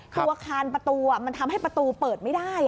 ตัวอาคารประตูมันทำให้ประตูเปิดไม่ได้